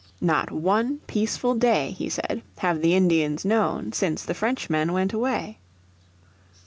"Not one peaceful day," he said, "have the Indians known since the Frenchmen went away."